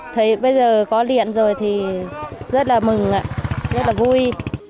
thấy bây giờ có điện rồi thì rất là mừng rất là vui